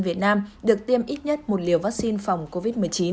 việt nam được tiêm ít nhất một liều vaccine phòng covid một mươi chín